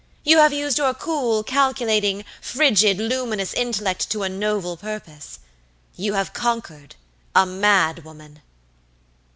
You have used your cool, calculating, frigid, luminous intellect to a noble purpose. You have conquereda MAD WOMAN!"